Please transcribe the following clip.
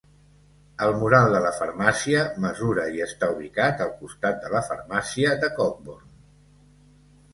El mural de la farmàcia mesura i està ubicat al costat de la farmàcia de Cockburn.